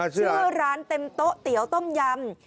ชื่อร้านเต็มโต๊ะเตี๋ยวต้มยำ